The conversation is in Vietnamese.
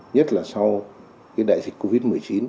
nhất là sau đại dịch covid một mươi chín